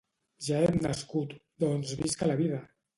Ja hem nascut, doncs visca la vida!